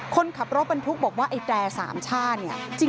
คนขับรถบรรทุกบอกว่าไอ้แจสามชาติ